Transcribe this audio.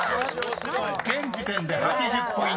［現時点で８０ポイント差］